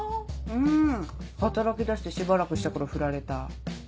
ん働き出してしばらくした頃フラれた。